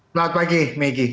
selamat pagi megi